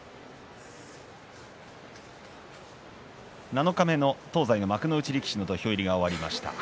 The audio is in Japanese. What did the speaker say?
七日目の東西の幕内力士の土俵入りが終わりました。